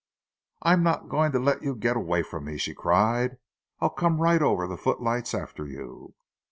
"I'm not going to let you get away from me," she cried. "I'll come right over the footlights after you!"